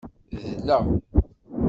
Dleɣ.